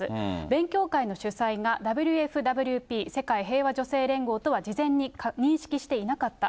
勉強会の主催が、ＷＦＷＰ・世界平和女性連合とは事前に認識していなかった。